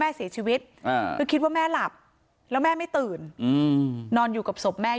เสียชีวิตคือคิดว่าแม่หลับแล้วแม่ไม่ตื่นนอนอยู่กับศพแม่